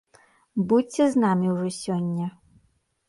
Будзьце з намі ўжо сёння!